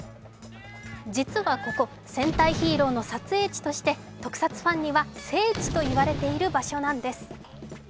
実はここ戦隊ヒーローの撮影地として特撮ファンには聖地といわれている場所なんです。